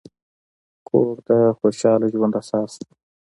کور د خوشحال ژوند اساس دی.